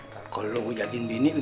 kalo lu mau jadiin bini lu aneh